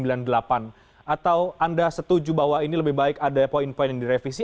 atau anda setuju bahwa ini lebih baik ada poin poin yang direvisi